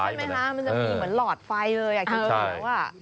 มันจะมีเหมือนหลอดไฟเลย